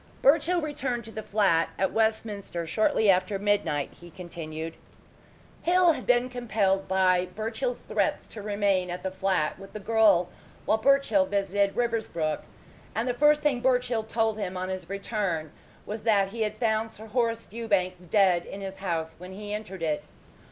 "Birchill returned to the flat at Westminster shortly after midnight," he continued. "Hill had been compelled by Birchill's threats to remain at the flat with the girl while Birchill visited Riversbrook, and the first thing Birchill told him on his return was that he had found Sir Horace Fewbanks dead in his house when he entered it.